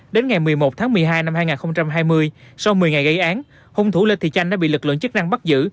đến ngày một mươi một tháng một mươi hai năm hai nghìn hai mươi sau một mươi ngày gây án hung thủ lê thị chanh đã bị lực lượng chức năng bắt giữ